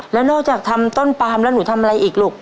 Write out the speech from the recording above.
แล้วนอกจากทำต้นปามแล้วหนูทำอะไรอีกลูก